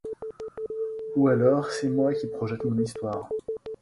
Ou alors c'est moi qui projette mon histoire.